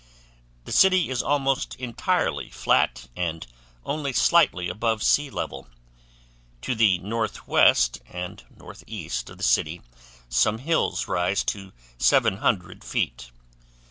The city is almost entirely flat and only slightly above sea level; to the northwest and northeast of the city some hills rise to 700 feet.